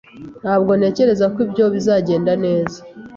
Ntabwo ntekereza ko ibyo bizagenda neza.